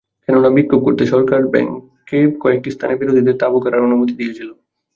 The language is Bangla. কেননা, বিক্ষোভ করতে সরকার ব্যাংককে কয়েকটি স্থানে বিরোধীদের তাঁবু গাড়ার অনুমতি দিয়েছিল।